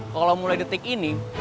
kalau mulai detik ini